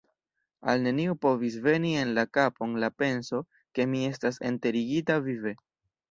Al neniu povis veni en la kapon la penso, ke mi estas enterigita vive.